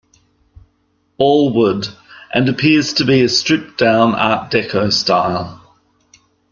Allward and appears to be a stripped down Art Deco style.